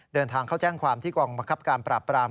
เดินทางเข้าแจ้งความที่กองบังคับการปราบปราม